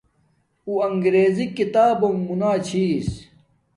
اُو انگریزی کتابنݣ موناچھس